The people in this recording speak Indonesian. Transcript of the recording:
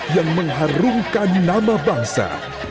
yang mengharumkan nama bangsa